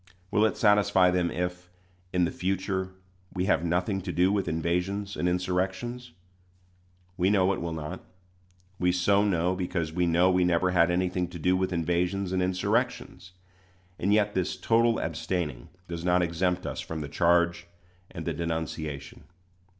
Will it satisfy them if, in the future, we have nothing to do with invasions and insurrections? We know it will not. We so know, because we know we never had anything to do with invasions and insurrections; and yet this total abstaining does not exempt us from the charge and the denunciation.